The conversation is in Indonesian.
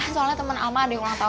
soalnya temen ama ada yang ulang tahun